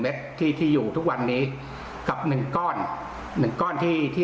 ที่ที่อยู่ทุกวันนี้กับหนึ่งก้อนหนึ่งก้อนที่ที่